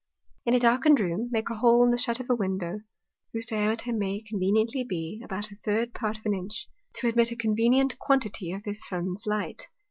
In a darkned Room, make a hole in the shut of a Window, whose Diameter may conveniently be about a third part of an Inch, to admit a convenient quantity of the Sun's Light.